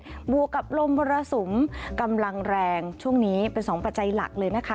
บวกกับลมมรสุมกำลังแรงช่วงนี้เป็นสองปัจจัยหลักเลยนะคะ